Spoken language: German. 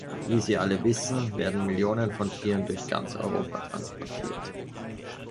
Wie Sie alle wissen, werden Millionen von Tieren durch ganz Europa transportiert.